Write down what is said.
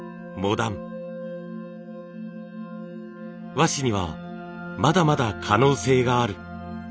「和紙にはまだまだ可能性がある」。